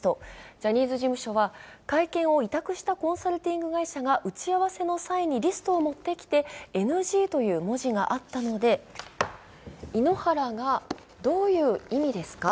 ジャニーズ事務所は会見を委託したコンサルティング会社が打ち合わせの際にリストを持ってきてＮＧという文字があったので井ノ原がどういう意味ですか？